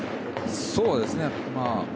そうですね。